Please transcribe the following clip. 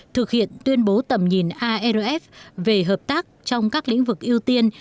thực hiện tuyên bố tầm nhìn arf về hợp tác trong các lĩnh vực ưu tiên